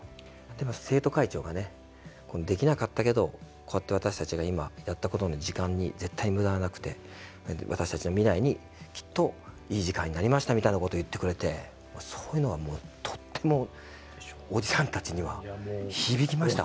でも生徒会長がねできなかったけどこうやって私たちが今やったことの時間に絶対無駄はなくて私たちの未来にきっといい時間になりましたみたいなことを言ってくれてそういうのはもうとってもおじさんたちには響きましたほんとに。